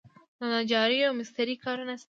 د نجارۍ او مسترۍ کارونه شته؟